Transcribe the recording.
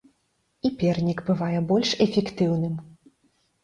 І пернік бывае больш эфектыўным.